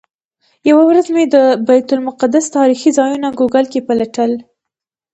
یوه ورځ مې د بیت المقدس تاریخي ځایونه ګوګل کې پلټل.